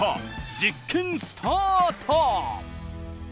実験スタート！